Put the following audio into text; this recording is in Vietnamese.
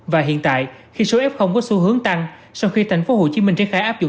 và hiện tại khi số f có xu hướng tăng sau khi thành phố hồ chí minh triển khai áp dụng